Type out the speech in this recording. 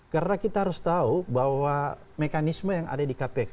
karena kita harus tahu bahwa mekanisme yang ada di kpk